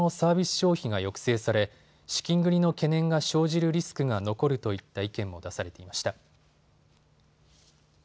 消費が抑制され資金繰りの懸念が生じるリスクが残るといった意見も出されていました。